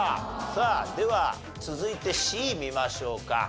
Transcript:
さあでは続いてＣ見ましょうか。